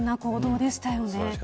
勇敢な行動でしたよね。